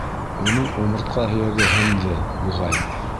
Уның умыртҡа һөйәге һынды, буғай.